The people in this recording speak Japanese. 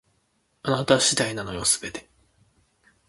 あなた次第なのよ、全て